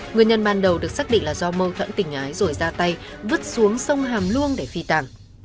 nguyên nhân ban đầu được xác định là do mâu thuẫn tình ái rồi ra tay vứt xuống sông hàm luông để phi tàng